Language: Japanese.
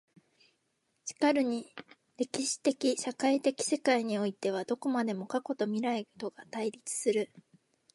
然るに歴史的社会的世界においてはどこまでも過去と未来とが対立する。